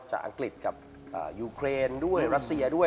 จากอังกฤษยุเครนด้วยรัสเซียด้วย